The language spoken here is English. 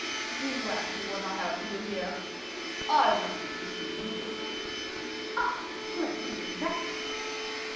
"Do you ask me what I have to do here? I wanted to see you." "Ah, great need of that."